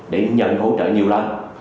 để nhận hỗ trợ nhiều lần